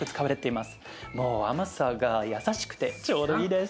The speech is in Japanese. もう甘さが優しくてちょうどいいです。